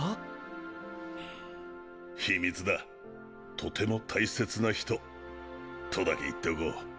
「とても大切な人」とだけ言っておこう。